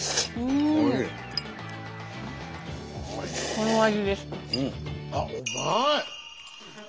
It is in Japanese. この味です。